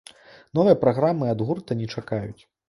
Новай праграмы ад гурта не чакаюць.